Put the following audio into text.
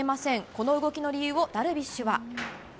この動きの理由を、ダルビッシュは。